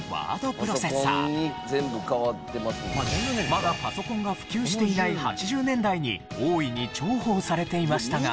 まだパソコンが普及していない８０年代に大いに重宝されていましたが。